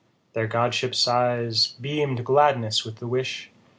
Their godship's eyes beam'd gladness with the wish